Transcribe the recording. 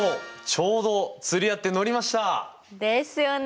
ちょうど釣り合ってのりました！ですよね！